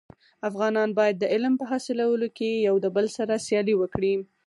افغانان باید د علم په حاصلولو کي يو دبل سره سیالي وکړي.